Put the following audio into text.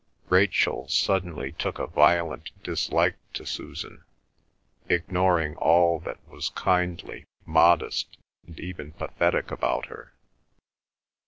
Rachel suddenly took a violent dislike to Susan, ignoring all that was kindly, modest, and even pathetic about her.